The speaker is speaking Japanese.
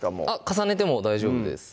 重ねても大丈夫です